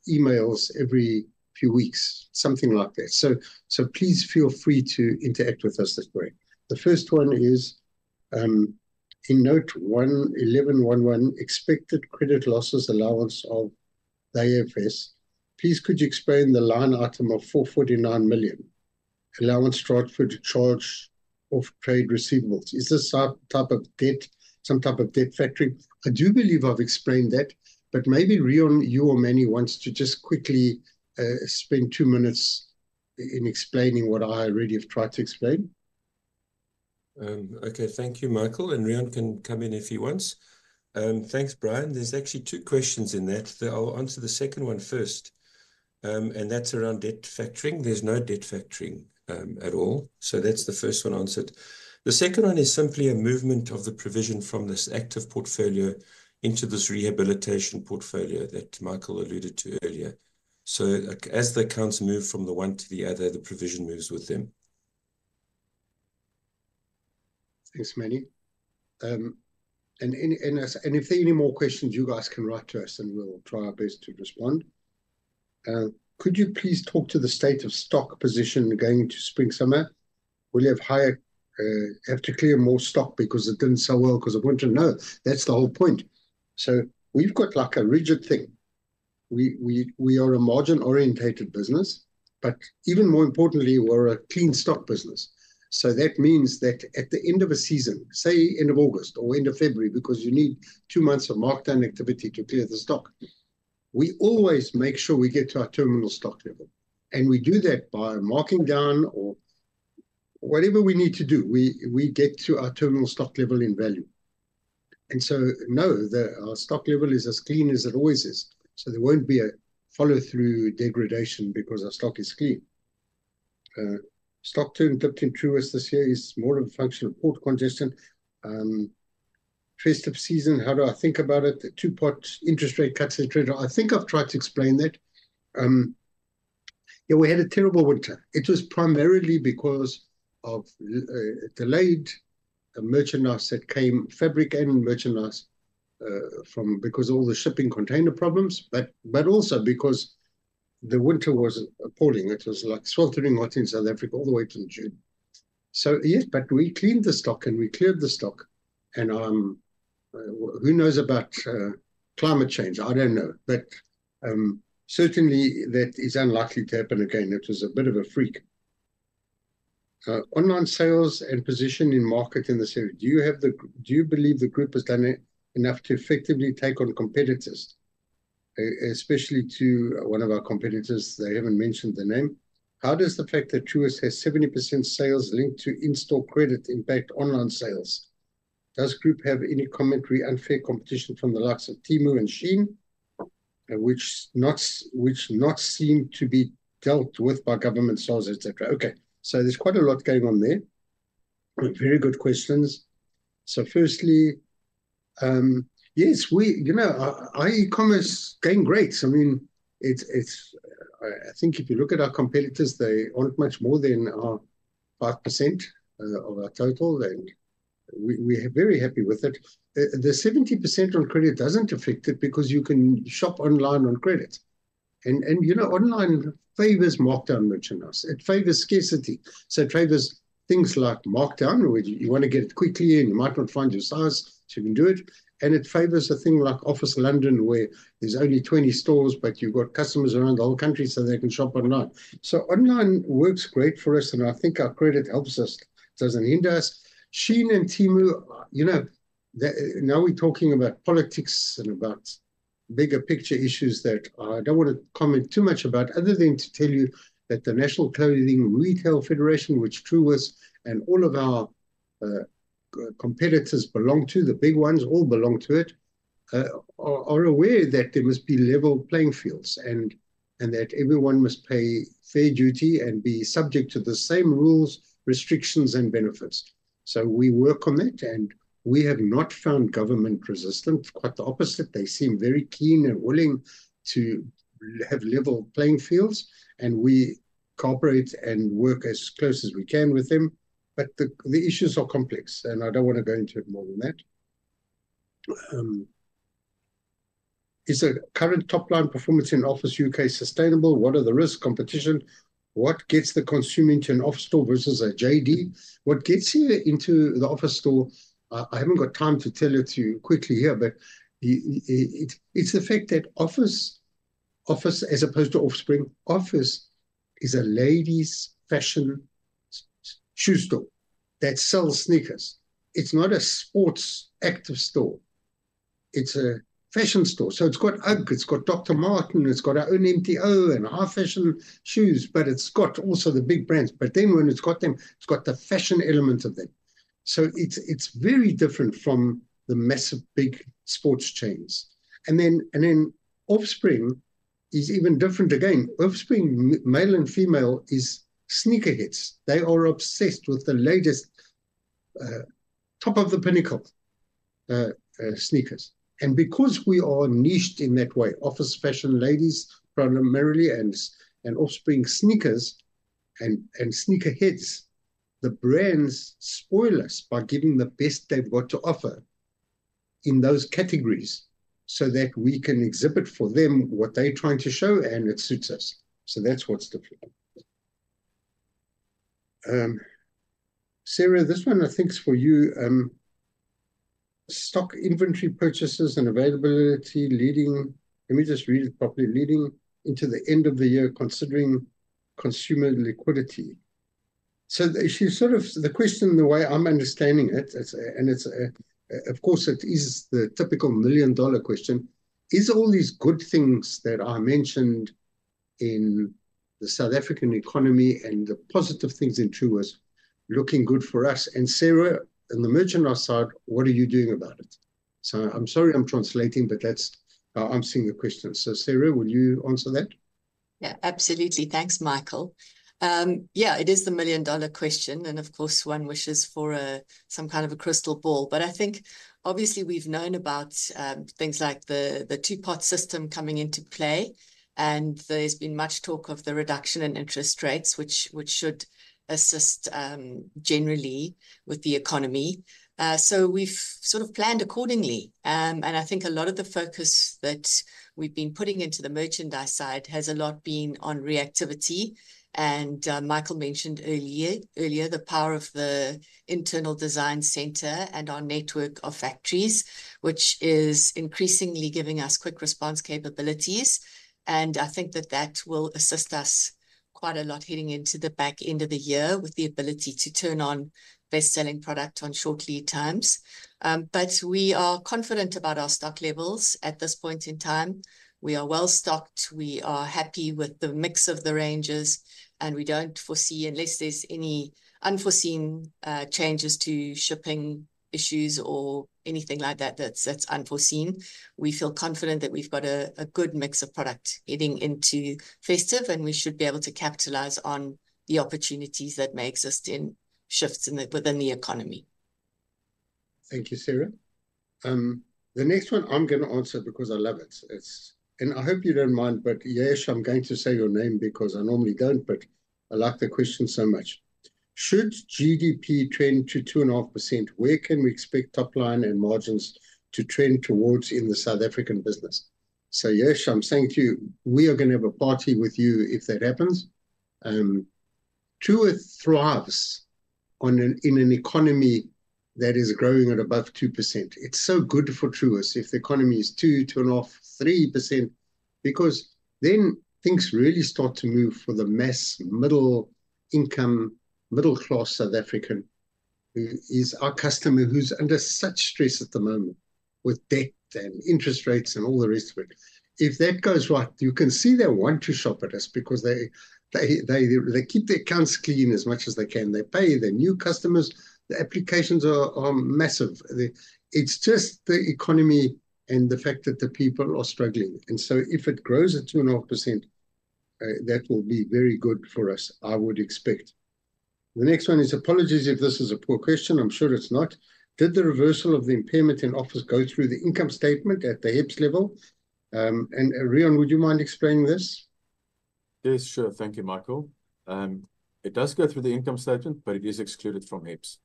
emails every few weeks, something like that. So, so please feel free to interact with us that way. The first one is: In Note 11.1.1, expected credit losses allowance of the IFRS, please could you explain the line item of 449 million allowance raised for the charge of trade receivables? Is this some type of debt factoring? I do believe I've explained that, but maybe, Reon, you or Mannie wants to just quickly spend two minutes in explaining what I already have tried to explain. Okay. Thank you, Michael, and Reon can come in if he wants. Thanks, Brian. There's actually two questions in that. I'll answer the second one first, and that's around debt factoring. There's no debt factoring at all. So that's the first one answered. The second one is simply a movement of the provision from this active portfolio into this rehabilitation portfolio that Michael alluded to earlier. So as the accounts move from the one to the other, the provision moves with them. Thanks, Mannie. And if there are any more questions, you guys can write to us, and we'll try our best to respond. Could you please talk to the state of stock position going into spring/summer? Will you have higher... have to clear more stock because it didn't sell well because of winter? No, that's the whole point, so we've got, like, a rigid thing. We are a margin-oriented business, but even more importantly, we're a clean stock business. So that means that at the end of a season, say, end of August or end of February, because you need two months of markdown activity to clear the stock, we always make sure we get to our terminal stock level, and we do that by marking down or whatever we need to do, we get to our terminal stock level in value. And so, no, our stock level is as clean as it always is, so there won't be a follow-through degradation because our stock is clean. Stock turn in Truworths this year is more of a function of port congestion, trade slump season. How do I think about it? The Two-Pot interest rate cuts, et cetera. I think I've tried to explain that. Yeah, we had a terrible winter. It was primarily because of delayed merchandise that came, fabric and merchandise from, because all the shipping container problems, but also because the winter was appalling. It was like sweltering hot in South Africa all the way till June. So, yes, but we cleaned the stock and we cleared the stock. And, who knows about climate change? I don't know. But, certainly that is unlikely to happen again, it was a bit of a freak. "Online sales and position in market in this area, do you believe the group has done enough to effectively take on competitors, especially to one of our competitors?" They haven't mentioned the name. "How does the fact that Truworths has 70% sales linked to in-store credit impact online sales? Does group have any commentary, unfair competition from the likes of Temu and SHEIN, which not seem to be dealt with by government, SARS, et cetera?" Okay, so there's quite a lot going on there, but very good questions. So firstly, yes, we... You know, our e-commerce is going great. I mean, it's, I think if you look at our competitors, they aren't much more than 5% of our total, and we, we're very happy with it. The 70% on credit doesn't affect it because you can shop online on credit. And you know, online favors markdown merchandise. It favors scarcity, so it favors things like markdown, where you wanna get it quickly and you might not find your size, so you can do it. And it favors a thing like Office London, where there's only 20 stores, but you've got customers around the whole country, so they can shop online. So online works great for us, and I think our credit helps us, doesn't hinder us. SHEIN and Temu, you know, now we're talking about politics and about bigger picture issues that I don't wanna comment too much about, other than to tell you that the National Clothing Retail Federation, which Truworths and all of our competitors belong to, the big ones all belong to it, are aware that there must be level playing fields and that everyone must pay fair duty and be subject to the same rules, restrictions, and benefits. So we work on that, and we have not found government resistant. Quite the opposite, they seem very keen and willing to have level playing fields, and we cooperate and work as close as we can with them. But the issues are complex, and I don't want to go into it more than that. "Is the current top-line performance in Office U.K. sustainable? What are the risks? Competition. What gets the consumer into an Office store versus a JD? What gets you into the Office store? I haven't got time to tell it to you quickly here, but it's the fact that Office, as opposed to Offspring, Office is a ladies' fashion shoe store that sells sneakers. It's not a sports active store, it's a fashion store. So it's got UGG, it's got Dr. Martens, it's got our own MTO and high-fashion shoes, but it's got also the big brands. But then when it's got them, it's got the fashion element of them. So it's very different from the massive, big sports chains. And then Offspring is even different again. Offspring, male and female, is sneakerheads. They are obsessed with the latest, top of the pinnacle, sneakers. And because we are niched in that way, Office fashion ladies primarily, and Offspring sneakers and sneakerheads, the brands spoil us by giving the best they've got to offer in those categories, so that we can exhibit for them what they're trying to show, and it suits us. So that's what's different. Sarah, this one I think is for you. "Stock inventory purchases and availability leading..." Let me just read it properly, "leading into the end of the year, considering consumer liquidity." So she's sort of- the question, the way I'm understanding it, it's, and it's, of course, it is the typical million-dollar question: Is all these good things that I mentioned in the South African economy and the positive things in Truworths looking good for us? And Sarah, in the merchandise side, what are you doing about it? I'm sorry I'm translating, but that's how I'm seeing the question. Sarah, will you answer that? Yeah, absolutely. Thanks, Michael. Yeah, it is the million-dollar question, and of course, one wishes for some kind of a crystal ball. But I think obviously we've known about things like the Two-Pot System coming into play, and there's been much talk of the reduction in interest rates, which should assist generally with the economy. So we've sort of planned accordingly. And I think a lot of the focus that we've been putting into the merchandise side has a lot been on reactivity. And Michael mentioned earlier the power of the internal design center and our network of factories, which is increasingly giving us quick response capabilities. And I think that will assist us quite a lot heading into the back end of the year with the ability to turn on bestselling product on short lead times. But we are confident about our stock levels at this point in time. We are well-stocked, we are happy with the mix of the ranges, and we don't foresee, unless there's any unforeseen changes to shipping issues or anything like that, that's unforeseen, we feel confident that we've got a good mix of product heading into festive, and we should be able to capitalize on the opportunities that may exist in shifts within the economy. Thank you, Sarah. The next one I'm gonna answer because I love it. It's, and I hope you don't mind, but Yash, I'm going to say your name because I normally don't, but I like the question so much. "Should GDP trend to 2.5%, where can we expect top line and margins to trend towards in the South African business?" So Yash, I'm saying to you, we are gonna have a party with you if that happens. Truworths thrives in an economy that is growing at above 2%. It's so good for Truworths if the economy is 2%, 2.5%, 3%, because then things really start to move for the mass middle income, middle class South African, who is our customer, who's under such stress at the moment with debt and interest rates and all the rest of it. If that goes right, you can see they want to shop with us because they keep their accounts clean as much as they can. They pay, they're new customers, the applications are massive. It's just the economy and the fact that the people are struggling. And so if it grows at 2.5%, that will be very good for us, I would expect. The next one is, "Apologies if this is a poor question," I'm sure it's not. Did the reversal of the impairment in Office go through the income statement at the HEPS level?" Reon, would you mind explaining this? Yes, sure. Thank you, Michael. It does go through the income statement, but it is excluded from HEPS.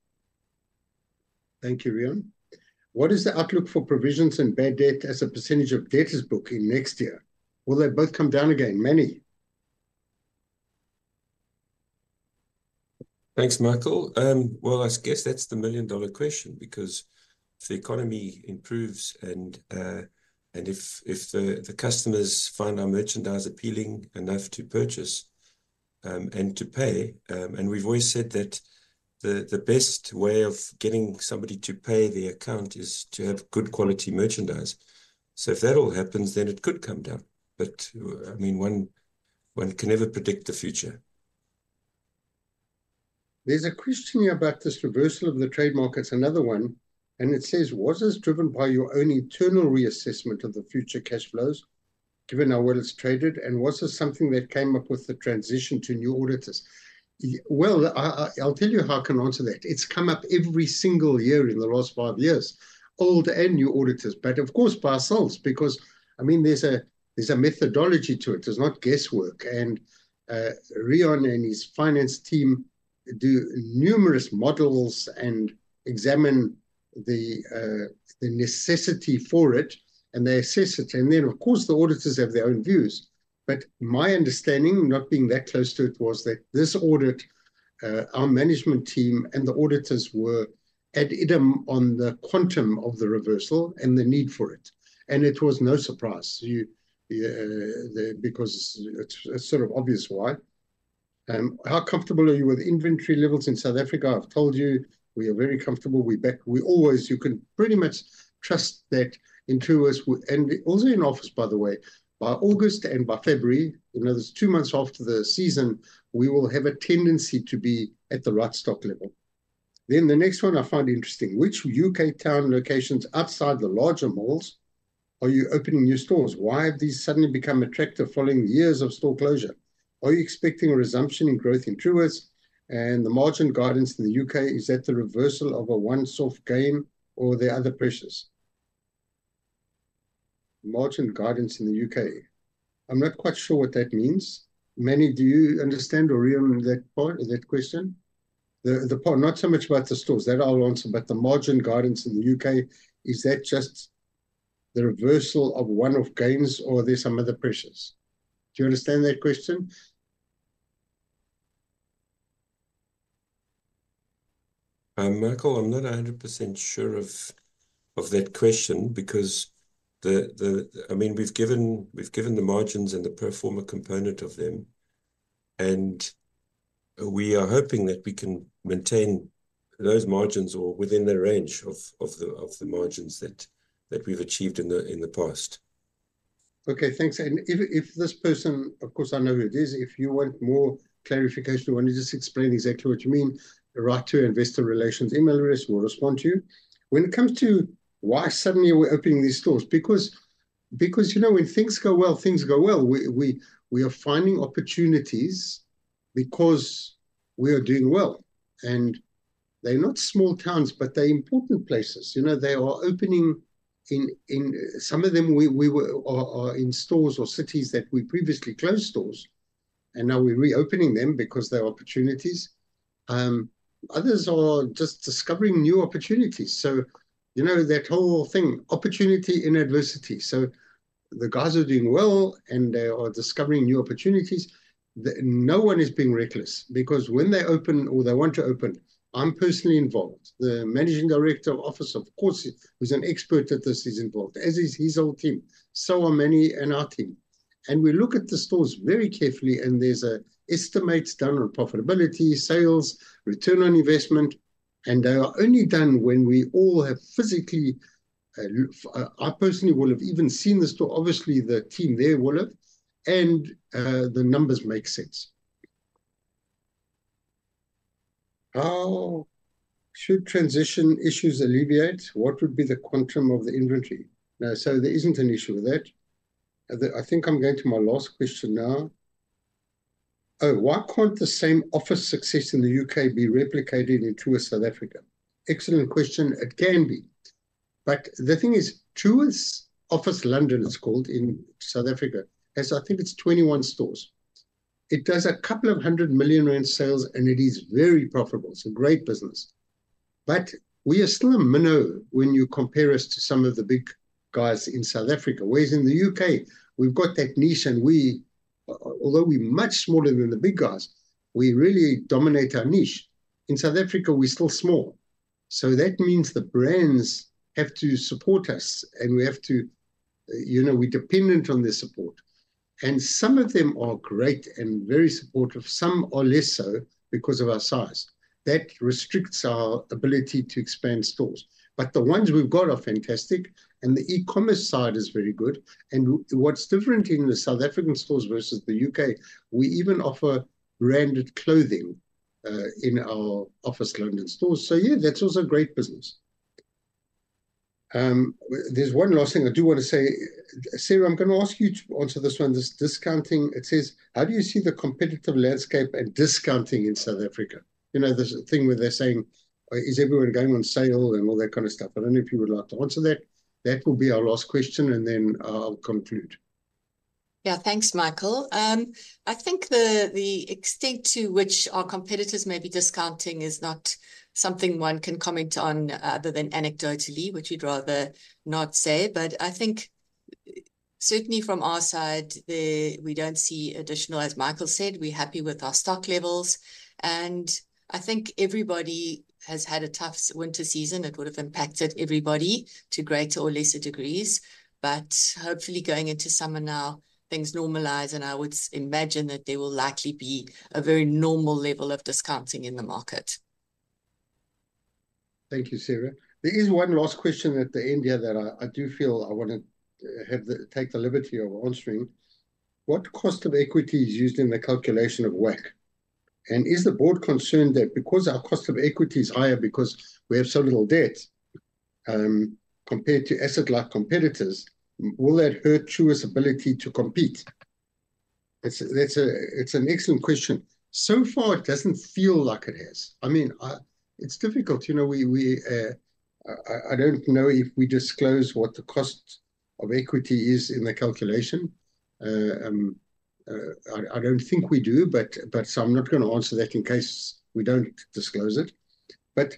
Thank you, Reon. "What is the outlook for provisions and bad debt as a percentage of debtors book in next year? Will they both come down again?" Mannie. Thanks, Michael. Well, I guess that's the million-dollar question, because if the economy improves and if the customers find our merchandise appealing enough to purchase and to pay. And we've always said that the best way of getting somebody to pay their account is to have good quality merchandise. So if that all happens, then it could come down. But, I mean, one can never predict the future. There's a question here about this reversal of the trademarks, another one, and it says, "Was this driven by your own internal reassessment of the future cash flows, given how well it's traded? And was this something that came up with the transition to new auditors?" Well, I'll tell you how I can answer that. It's come up every single year in the last five years, old and new auditors. But of course, by ourselves, because, I mean, there's a methodology to it, it's not guesswork. And Reon and his finance team do numerous models and examine the necessity for it, and they assess it. And then, of course, the auditors have their own views. But my understanding, not being that close to it, was that this audit, our management team and the auditors were ad idem on the quantum of the reversal and the need for it, and it was no surprise, you, the, because it's sort of obvious why. "How comfortable are you with inventory levels in South Africa?" I've told you, we are very comfortable. We always... You can pretty much trust that in Truworths, and also in Office, by the way, by August and by February, you know, there's two months after the season, we will have a tendency to be at the right stock level. Then the next one I find interesting: "Which U.K. town locations outside the larger malls are you opening new stores? Why have these suddenly become attractive following years of store closure? Are you expecting a resumption in growth in Truworths, and the margin guidance in the U.K., is that the reversal of a one-off gain or there are other pressures?" Margin guidance in the U.K. I'm not quite sure what that means. Mannie, do you understand, or Reon, that part, that question? The part, not so much about the stores, that I'll answer, but the margin guidance in the U.K., is that just the reversal of one-off gains or are there some other pressures? Do you understand that question? Michael, I'm not 100% sure of that question because. I mean, we've given the margins and the pro forma component of them, and we are hoping that we can maintain those margins or within the range of the margins that we've achieved in the past. Okay, thanks. And if this person, of course I know who it is, if you want more clarification or want to just explain exactly what you mean, write to our investor relations email address, we'll respond to you. When it comes to why suddenly we're opening these stores, because, you know, when things go well, things go well. We are finding opportunities because we are doing well, and they're not small towns, but they're important places. You know, they are opening in. Some of them are in stores or cities that we previously closed stores, and now we're reopening them because there are opportunities. Others are just discovering new opportunities. So, you know, that whole thing, opportunity in adversity. So the guys are doing well, and they are discovering new opportunities. No one is being reckless, because when they open or they want to open, I'm personally involved. The Managing Director of Office, of course, who's an expert at this, is involved, as is his whole team. So are Mannie and our team. And we look at the stores very carefully, and there's estimates done on profitability, sales, return on investment, and they are only done when we all have physically, I personally would have even seen the store, obviously the team there will have, and the numbers make sense. "How should transition issues alleviate? What would be the quantum of the inventory?" So there isn't an issue with that. I think I'm going to my last question now. Oh, why can't the same Office success in the U.K. be replicated in Truworths South Africa? Excellent question. It can be, but the thing is, Truworths Office London, it's called in South Africa, has I think it's 21 stores. It does a couple of hundred million rand sales, and it is very profitable. It's a great business. But we are still a minnow when you compare us to some of the big guys in South Africa. Whereas in the U.K., we've got that niche and we, although we're much smaller than the big guys, we really dominate our niche. In South Africa, we're still small, so that means the brands have to support us, and we have to... You know, we're dependent on their support. And some of them are great and very supportive. Some are less so because of our size. That restricts our ability to expand stores. But the ones we've got are fantastic, and the e-commerce side is very good. What's different in the South African stores versus the U.K., we even offer branded clothing in our Office London stores. So yeah, that's also great business. There's one last thing I do wanna say. Sarah, I'm gonna ask you to answer this one, this discounting. It says: "How do you see the competitive landscape and discounting in South Africa?" You know, there's a thing where they're saying, "Is everyone going on sale?" And all that kind of stuff. I don't know if you would like to answer that. That will be our last question, and then I'll conclude. Yeah. Thanks, Michael. I think the extent to which our competitors may be discounting is not something one can comment on, other than anecdotally, which we'd rather not say. But I think certainly from our side, we don't see additional... As Michael said, we're happy with our stock levels. And I think everybody has had a tough winter season that would've impacted everybody to greater or lesser degrees. But hopefully, going into summer now, things normalize, and I would imagine that there will likely be a very normal level of discounting in the market. Thank you, Sarah. There is one last question at the end here that I do feel I wanna have to take the liberty of answering. What cost of equity is used in the calculation of WACC? And is the board concerned that because our cost of equity is higher because we have so little debt, compared to asset-light competitors, will that hurt Truworths' ability to compete? That's an excellent question. So far, it doesn't feel like it has. I mean, It's difficult. You know, I don't know if we disclose what the cost of equity is in the calculation. I don't think we do, but so I'm not gonna answer that in case we don't disclose it. But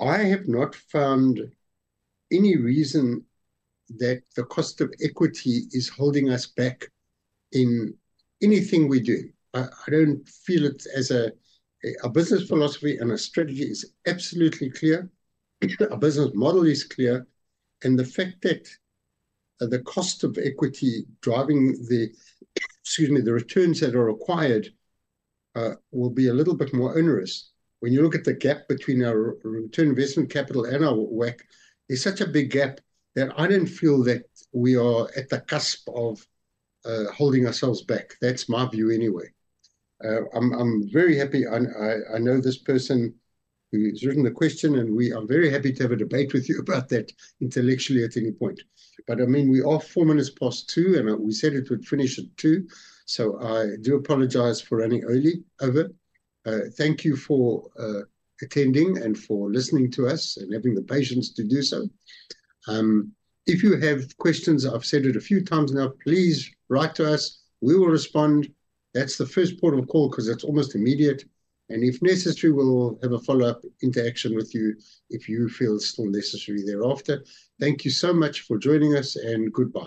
I have not found any reason that the cost of equity is holding us back in anything we do. I don't feel it as a... Our business philosophy and our strategy is absolutely clear. Our business model is clear, and the fact that, the cost of equity driving the, excuse me, the returns that are required, will be a little bit more onerous. When you look at the gap between our return on investment capital and our WACC, there's such a big gap that I don't feel that we are at the cusp of, holding ourselves back. That's my view anyway. I'm very happy... I know this person who's written the question, and we are very happy to have a debate with you about that intellectually at any point. But I mean, we are four minutes past 2:00 P.M., and, we said it would finish at 2:00 P.M., so I do apologize for running early, over. Thank you for attending and for listening to us and having the patience to do so. If you have questions, I've said it a few times now, please write to us. We will respond. That's the first port of call, 'cause that's almost immediate, and if necessary, we'll have a follow-up interaction with you if you feel it's still necessary thereafter. Thank you so much for joining us, and goodbye.